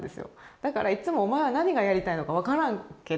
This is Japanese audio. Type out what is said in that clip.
だからいつもお前は何がやりたいのか分からんけど